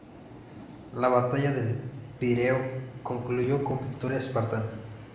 La batalla de El Pireo concluyó con victoria espartana.